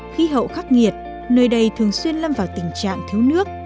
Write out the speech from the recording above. khí hậu khắc nghiệt nơi đây thường xuyên lâm vào tình trạng thiếu nước